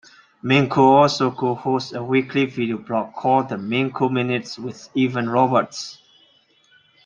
Minko also co-hosts a weekly video blog called the "Minko Minute" with Evan Roberts.